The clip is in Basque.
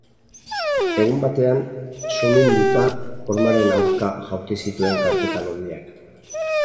Egun batean, suminduta, hormaren aurka jaurti zituen karpeta lodiak.